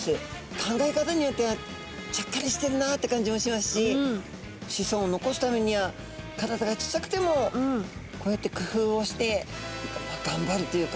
考え方によってはちゃっかりしてるなって感じもしますし子孫を残すためには体が小さくてもこうやってくふうをしてがんばるというか。